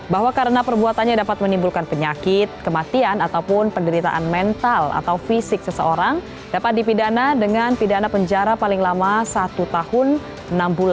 bahwa karena perbuatannya dapat menimbulkan penyakit kematian ataupun penderitaan mental atau fisik seseorang dapat dipidana dengan pidana penjara paling lama satu tahun enam bulan